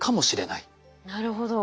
なるほど。